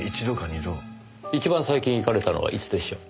一番最近行かれたのはいつでしょう？